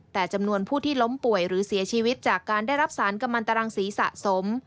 แต่จำนวนผู้ที่ล้มป่วยหรือเสียชีวิตจากการได้รับสารกำลังตรังสีสะสม